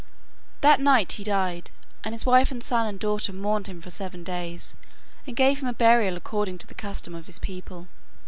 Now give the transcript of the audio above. That night he died, and his wife and son and daughter mourned for him seven days, and gave him a burial according to the custom of his people.